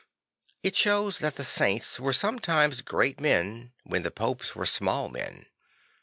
It shows that the Saints were sometimes great men when the Popes were small men.